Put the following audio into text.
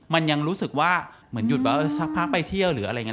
มันยังรู้สึกว่าเหมือนหยุดว่าสักพักไปเที่ยวหรืออะไรอย่างนี้